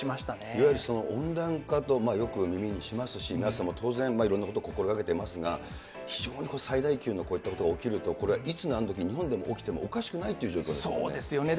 いわゆる温暖化とよく耳にしますし、皆さんもいろんなこと、心がけていますが、非常に、最大級のこういったことが起きると、これはいつなんどき日本でも起きてもおかしくないという状況ですそうですよね。